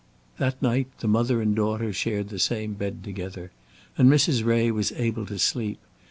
That night the mother and daughter shared the same bed together, and Mrs. Ray was able to sleep.